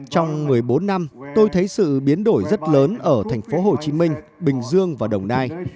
trong một mươi bốn năm tôi thấy sự biến đổi rất lớn ở tp hcm bình dương và đồng nai